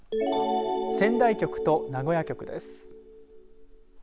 仙台局と名古屋局です。